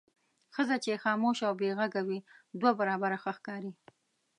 ښځه چې خاموشه او بې غږه وي دوه برابره ښه ښکاري.